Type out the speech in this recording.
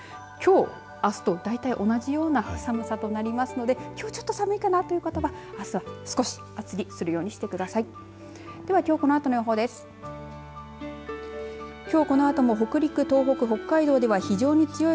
きょう、あすとだいたい同じような寒さとなりますからきょう、ちょっと冷めかなという方は、あす少し厚着するようにしてください。